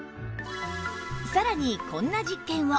さらにこんな実験を！